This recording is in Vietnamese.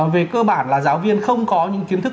về cơ bản là giáo viên không có những kiến thức